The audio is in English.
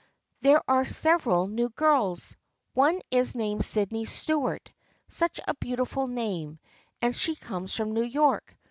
There are several new girls. One is named Sydney Stuart (such a beautiful name) and she comes from New York.